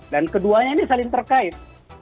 dan keduanya ini saling terkait